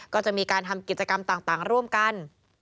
ก็จะมีการทำกิจกรรมต่างร่วมกัน